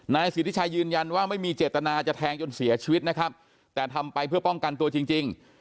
นายสิทธิชัยยืนยันว่าไม่มีเจตนาจะแทงจนเสียชีวิตนะครับแต่ทำไปเพื่อป้องกันตัวจริง